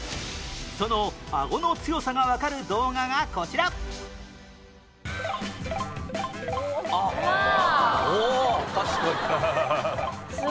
そのアゴの強さがわかる動画がこちらわあ！